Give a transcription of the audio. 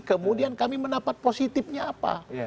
kemudian kami mendapat positifnya apa